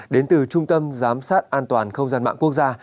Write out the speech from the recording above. đến từ trung tâm giám sát an toàn không gian mạng quốc gia